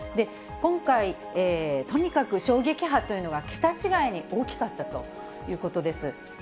今回、とにかく衝撃波というのが桁違いに大きかったということです。